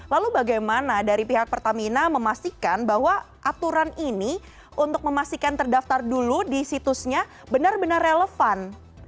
lalu bagaimana dari pihak pertamina memastikan bahwa aturan ini untuk memastikan terdaftar dulu di situsnya benar benar relevan